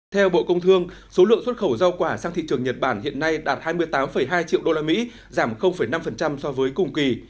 theo bộ công thương số lượng xuất khẩu rau quả sang thị trường nhật bản hiện nay đạt hai mươi tám hai triệu usd giảm năm so với cùng kỳ